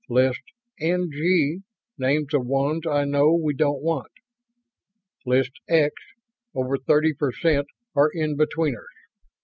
List 'NG' names the ones I know we don't want. List 'X' over thirty percent are in betweeners.